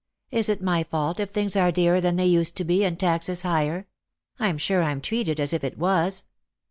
Is it my fault if things are dearer than they used to be, and taxes higher ? I'm sure I'm treated as if it was."